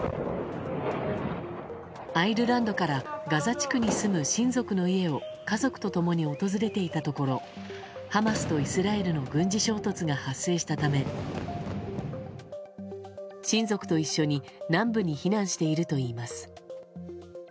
アイルランドからガザ地区に住む親族の家を家族と共に訪れていたところハマスとイスラエルの軍事衝突が発生したため親族と一緒に南部に避難しているといいます。